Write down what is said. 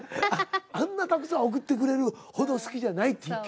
あんなたくさん送ってくれるほど好きじゃないって。